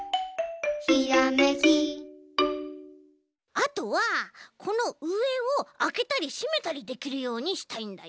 あとはこのうえをあけたりしめたりできるようにしたいんだよね。